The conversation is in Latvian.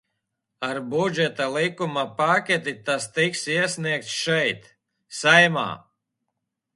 Ar Budžeta likuma paketi tas tika iesniegts šeit, Saeimā.